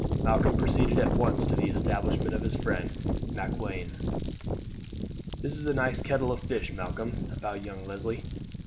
Malcolm proceeded at once to the establishment of his friend Macklewain. "This is a nice kettle of fish, Malcolm, about young Leslie.